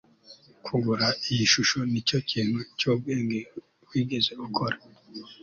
kugura iyi shusho nicyo kintu cyubwenge wigeze ukora